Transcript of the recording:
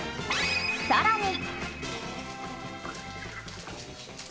更に。